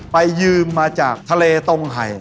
ไปยืมมาจากทะเลตรงไห่